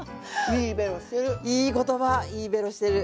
いいベロしてる。